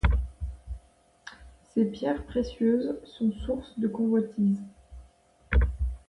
Ces pierres précieuses sont source de convoitises.